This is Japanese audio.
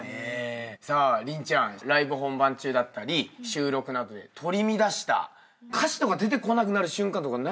さあ麟ちゃんライブ本番中だったり収録などで取り乱した歌詞とか出てこなくなる瞬間とかないの？